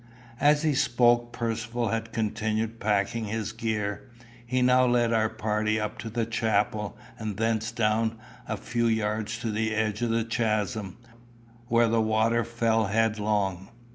As he spoke Percivale had continued packing his gear. He now led our party up to the chapel, and thence down a few yards to the edge of the chasm, where the water fell headlong.